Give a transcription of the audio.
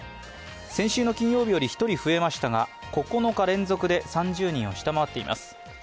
先週の金曜日より１人増えましたが９日連続で３０人を下回っています。